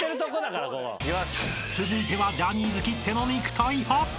［続いてはジャニーズきっての肉体派］